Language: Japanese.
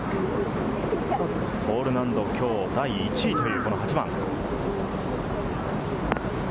ホール難度、今日第１位という８番。